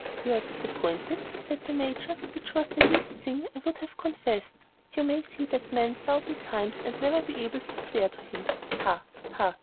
"You are disappointed," said the Major, which was the last thing I would have confessed. "You may see that man ten thousand times, and never be able to swear to him. Ha! ha!